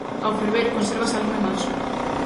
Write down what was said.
Ao ferver, consérvase a lume manso.